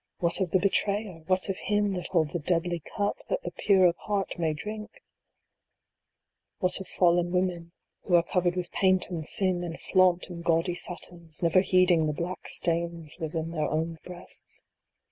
What of the betrayer ? What of him that holds a deadly cup, that the pure of heart may drink ? What of fallen women, wno are covered with paint and sin, and flaunt in gaudy satins, never heeding the black stains within their own breasts